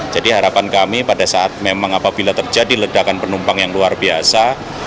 jadi harapan kami pada saat memang apabila terjadi ledakan penumpang yang luar biasa